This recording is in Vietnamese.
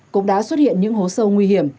cũng đã xuất hiện những hố sâu nguy hiểm